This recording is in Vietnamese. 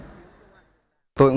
tôi cũng rất mong